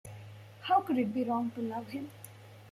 How could it be wrong to love him?